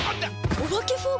お化けフォーク⁉